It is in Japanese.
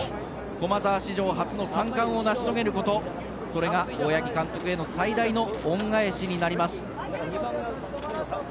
駒澤史上初の３冠を成し遂げることそれが大八木監督への最大の恩返しになります。